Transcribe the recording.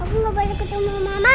papa gak boleh ketemu sama mama